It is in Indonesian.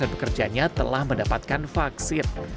delapan puluh pekerjanya telah mendapatkan vaksin